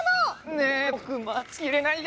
ねえぼくまちきれないよ！